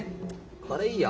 これいいよ！